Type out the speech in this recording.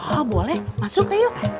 oh boleh masuk yuk